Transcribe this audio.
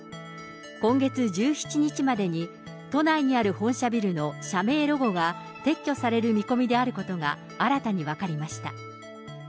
今月１７日までに、都内にある本社ビルの社名ロゴが撤去される見込みであることが新たに分かりました。